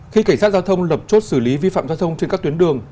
khi cảnh sát giao thông lập chốt xử lý vi phạm giao thông trên các tuyến đường